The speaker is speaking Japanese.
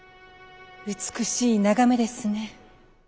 美しい眺めですね。